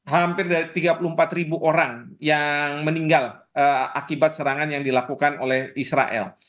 hampir dari tiga puluh empat ribu orang yang meninggal akibat serangan yang dilakukan oleh israel